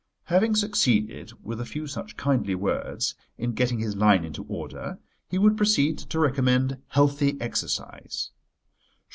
Having succeeded, with a few such kindly words, in getting his line into order, he would proceed to recommend healthy exercise.